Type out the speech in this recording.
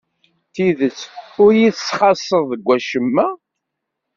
D tidet ur iyi-tesxaṣṣeḍ deg wacemma.